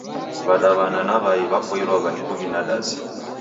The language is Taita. W'adaw'ana na w'ai w'apoilwagha kuvina dazi